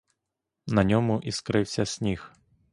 На ньому іскрився сніг.